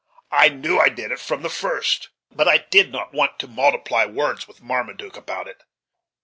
I knew I did it from the first; but I did not want to multiply words with Marmaduke about it.